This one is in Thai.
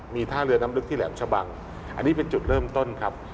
มีท่าเรือน้ำลึกที่แหลมชะบังอันนี้เป็นจุดเริ่มต้นครับ